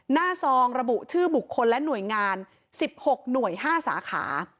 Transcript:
หน้าซองระบุชื่อบุคคลและหน่วยงานสิบหกหน่วยห้าสาขา